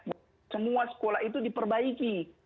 untuk memperbaiki sekolah sekolah